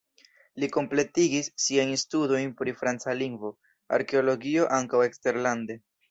Li kompletigis siajn studojn pri franca lingvo, arkeologio ankaŭ en eksterlande.